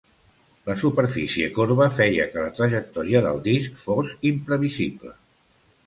La superfície corba feia que la trajectòria del disc fos imprevisible.